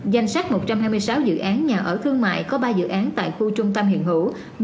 danh sách một trăm hai mươi sáu dự án nhà ở thương mại có ba dự án tại khu trung tâm hiện hữu